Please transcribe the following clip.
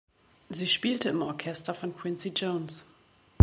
Sie spielte im Orchester von Quincy Jones.